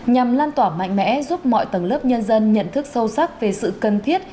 nhằm lan tỏa mạnh mẽ giúp mọi tầng lớp nhân dân nhận thức sâu sắc về sự cần thiết